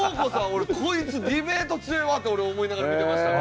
俺こいつディベート強いわって俺思いながら見てました。